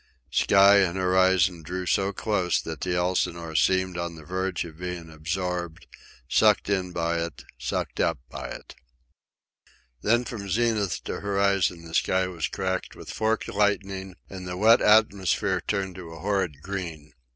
Sky and horizon drew so close that the Elsinore seemed on the verge of being absorbed, sucked in by it, sucked up by it. Then from zenith to horizon the sky was cracked with forked lightning, and the wet atmosphere turned to a horrid green.